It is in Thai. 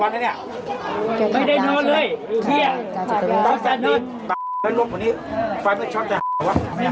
วันนี้ฟ้าไม่ชอบแบบนี้หรือเปล่า